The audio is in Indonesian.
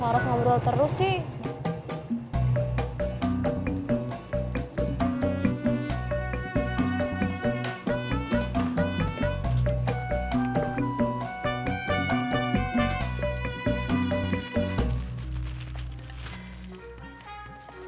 harus ngobrol terus sih